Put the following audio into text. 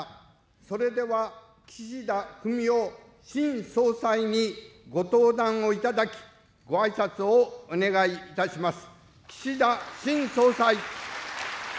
それでは岸田文雄新総裁に、ご登壇をいただき、ごあいさつをお願いいたします。